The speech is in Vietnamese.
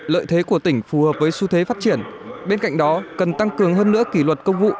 lợi thế của tỉnh phù hợp với xu thế phát triển bên cạnh đó cần tăng cường hơn nữa kỷ luật công vụ